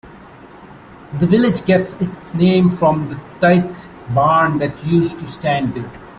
The village gets its name from the tithe barn that used to stand there.